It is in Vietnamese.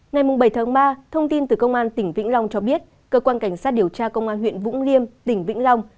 ngày bảy tháng ba thông tin từ công an tỉnh vĩnh long cho biết cơ quan cảnh sát điều tra công an huyện vũng liêm tỉnh vĩnh long